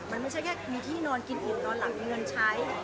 มันไม่ใช่แค่มีที่นอนกินอิ่มนอนหลับมีเงินใช้